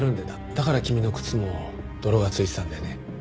だから君の靴も泥が付いてたんだよね。